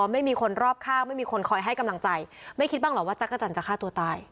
ไม่มีคนรอบข้างไม่มีคนคอยให้กำลังใจไม่คิดบ้างเหรอว่าจักรจันทร์จะฆ่าตัวตาย